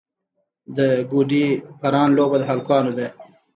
د ګوډي پران لوبه د هلکانو ده.